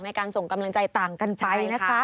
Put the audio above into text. ในการส่งกำลังใจต่างกันไปนะคะ